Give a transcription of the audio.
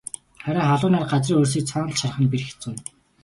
Харин халуун нар газрын хөрсийг цоонотол шарах нь бэрх хэцүү юм.